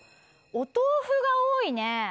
お豆腐が多いね。